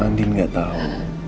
andi gak tahu